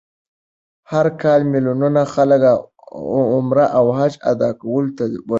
هر کال میلیونونه خلک عمره او حج ادا کولو ته ورځي.